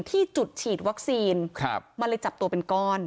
ที่จุดฉีดวัคซีนมันเลยจับตัวเป็นก้อน